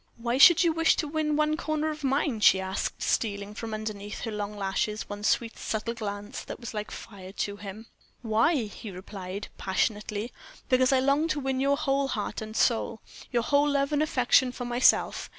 "Why should you wish to win one corner of mine?" she asked, stealing from underneath her long lashes one sweet, subtle glance that was like fire to him. "Why!" he replied, passionately; "because I long to win your whole heart and soul; your whole love and affection for myself.